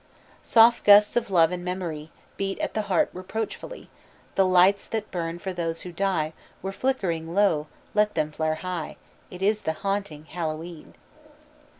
Soft gusts of love and memory Beat at the heart reproachfully; The lights that burn for those who die Were flickering low, let them flare high It is the haunting Hallowe'en.